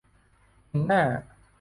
เฮนน่า